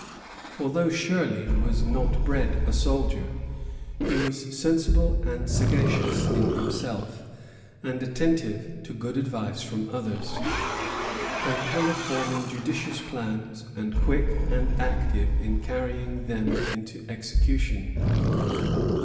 For though Shirley was not bred a soldier, he was sensible and sagacious in himself, and attentive to good advice from others, capable of forming judicious plans, and quick and active in carrying them into execution."